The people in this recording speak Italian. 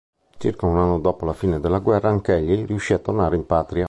Circa un anno dopo la fine della guerra anch'egli riuscì a tornare in patria.